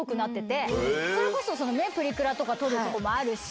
プリクラとか撮るとこもあるし。